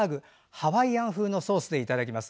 ハワイアン風のソースでいただきます。